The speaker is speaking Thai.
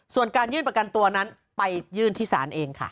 ส่วนการยื่นประกันตัวนั้นไปยื่นที่ศาลเองค่ะ